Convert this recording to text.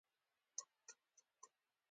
ایس میکس وویل چې موږ کولی شو لکچرونه ورکړو